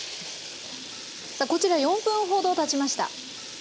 さあこちら４分ほどたちました。